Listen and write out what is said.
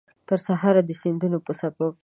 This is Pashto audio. ترسهاره د سیندونو په څپو کې